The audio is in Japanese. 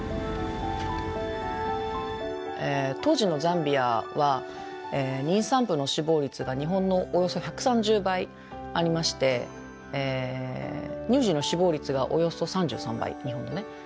当時のザンビアは妊産婦の死亡率が日本のおよそ１３０倍ありまして乳児の死亡率がおよそ３３倍日本のね。